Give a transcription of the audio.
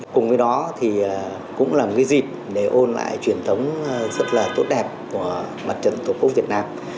cùng với đó thì cũng là một cái dịp để ôn lại truyền thống rất là tốt đẹp của mặt trận tổ quốc việt nam